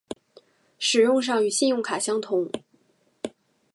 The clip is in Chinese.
使用上与信用卡相同。